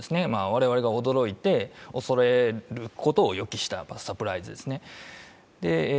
我々が驚いて、恐れることを予期したサプライズですね。